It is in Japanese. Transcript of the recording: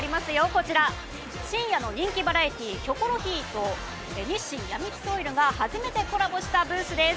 こちら、深夜の人気バラエティー「キョコロヒー」と日清やみつきオイルが初めてコラボしたブースです。